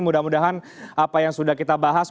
mudah mudahan apa yang sudah kita bahas